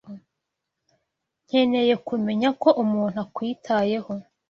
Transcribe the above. Nkeneye kumenya ko umuntu akwitayeho.